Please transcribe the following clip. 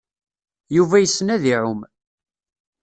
Yuba yessen ad iɛum.